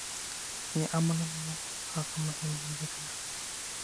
یعنې عملاً مو هغه مهم نه دی ګڼلی.